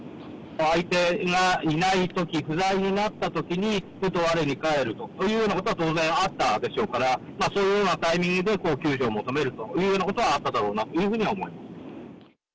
相手がいないとき、不在になったときに、ふとわれに返るということは当然あったでしょうから、そういうようなタイミングで救助を求めるというようなことはあっただろうなというふうには思います。